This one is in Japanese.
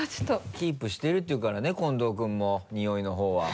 キープしてるっていうからね近藤君もニオイの方は。